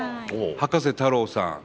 葉加瀬太郎さん。